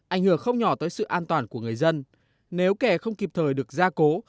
ảnh hưởng không nhỏ tới sự an toàn của người dân nếu kè không kịp thời được gia cố